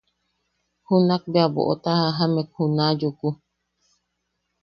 Junak bea boʼot a jajamek juna Yuku.